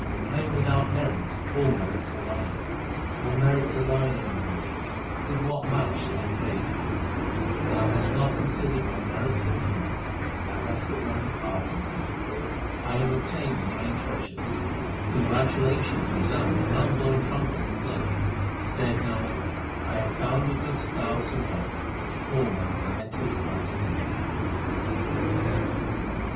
1 am without merits ; all merits are Thine ; All merits are Thine, O my Lord ; with what mouth shall I praise Thee ? Thou hast not considered my merits or demerits ; Thou hast at once pardoned me. I have obtained the nine treasures ; congratulations resound and unblown trumpets play. Saith Nanak, I have found a good Spouse and home, and all my anxieties are at an end.